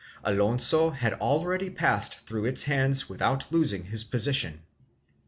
Alonso had already passed through its hands without losing his position.